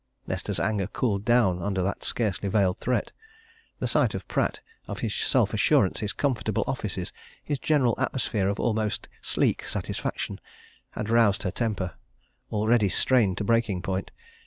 Nesta's anger cooled down under that scarcely veiled threat. The sight of Pratt, of his self assurance, his comfortable offices, his general atmosphere of almost sleek satisfaction, had roused her temper, already strained to breaking point.